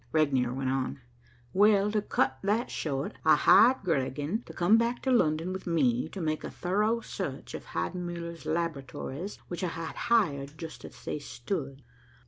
Regnier went on. "Well, to cut that short, I hired Griegen to come back to London with me, to make a thorough search of Heidenmuller's laboratories, which I had hired just as they stood.